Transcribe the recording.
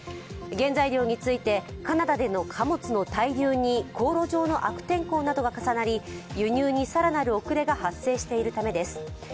原材料についてカナダでの貨物の滞留に航路上の悪天候などが重なり、輸入に更なる遅れが発生しているためです。